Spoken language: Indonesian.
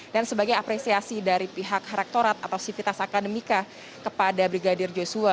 dan sebagai apresiasi dari pihak rektorat atau sivitas akademika kepada brigadir joshua